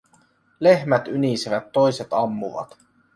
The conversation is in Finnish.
Lehmät ynisevät, toiset ammuvat.